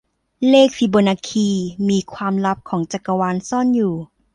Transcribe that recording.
เลขฟิโบนัคคี มีความลับของจักรวาลซ่อนอยู่